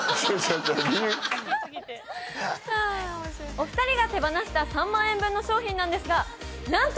お二人が手放した３万円分の商品なんですがなんと！